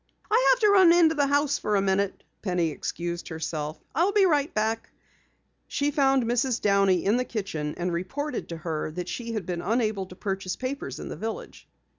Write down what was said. "I have to run into the house a minute," Penny excused herself. "I'll be right back." She found Mrs. Downey in the kitchen and reported to her that she had been unable to purchase papers in the village.